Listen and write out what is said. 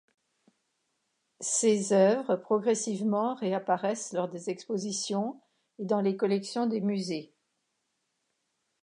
Ses œuvres progressivement réapparaissent lors des expositions et dans les collections des musées.